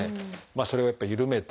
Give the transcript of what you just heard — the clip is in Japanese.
それをやっぱりゆるめて。